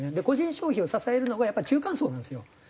個人消費を支えるのがやっぱり中間層なんですよ。